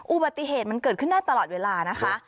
อุบัติเหตุมันเกิดขึ้นได้ตลอดเวลานะคะ